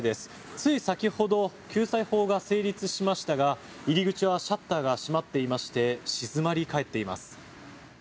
つい先ほど救済法が成立しましたが入り口はシャッターが閉まっていまして静まり返っています。